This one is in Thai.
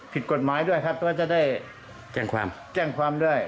ผิดกฎหมายด้วยครับเพราะว่าจะได้แจ้งความแจ้งความด้วย